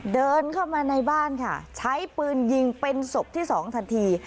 เดินเข้ามาในบ้านค่ะใช้ปืนยิงเป็นศพที่สองทันที